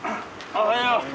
おはよう。